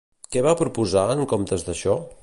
Què va proposar en comptes d'això?